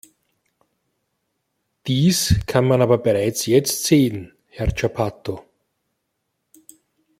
Dies kann man aber bereits jetzt sehen, Herr Cappato.